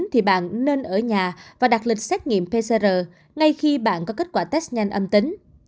thì bạn nên ở nhà và đặt lịch xét nghiệm pcr ngay khi bạn có kết quả test nhanh âm tính